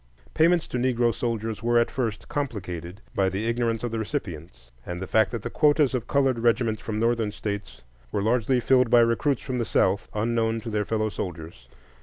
Payments to Negro soldiers were at first complicated by the ignorance of the recipients, and the fact that the quotas of colored regiments from Northern States were largely filled by recruits from the South, unknown to their fellow soldiers.